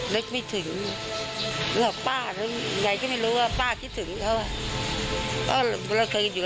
นึกไม่ถึงแล้วป้ายังไงก็ไม่รู้ว่าป้าคิดถึงเขาอ่ะก็เราเคยอยู่กันสองคน